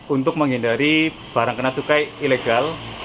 untuk menghindari barang kena cukai ilegal